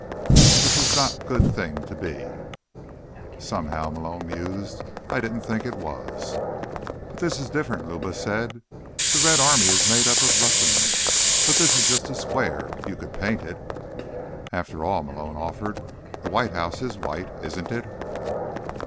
This is not good thing to be." "Somehow," Malone mused, "I didn't think it was." "But this is different," Luba said. "The Red Army is made up of Russians. But this is just a square. You could paint it." "After all," Malone offered, "the White House is white, isn't it?"